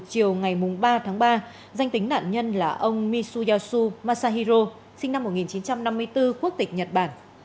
chiều ngày ba tháng ba danh tính nạn nhân là ông misuyashisu masahiro sinh năm một nghìn chín trăm năm mươi bốn quốc tịch nhật bản